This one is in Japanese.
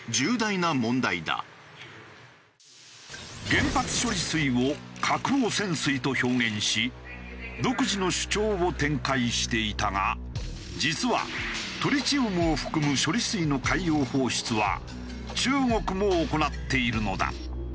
原発処理水を核汚染水と表現し独自の主張を展開していたが実はトリチウムを含む処理水の海洋放出は中国も行っているのだ。